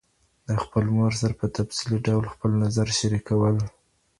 د خپلي مور سره په تفصيلي ډول خپل نظر شريکول